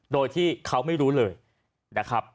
โดยที่เขาไม่รู้เลยนะครับ